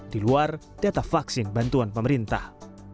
di luar data vaksin bantuan pemerintah